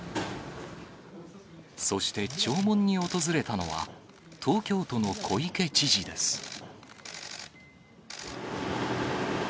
そして、弔問に訪れたのは東京都の小池知事です。